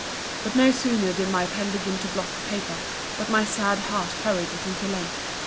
But no sooner did my pen begin to blot the paper, but my sad heart hurried it into length.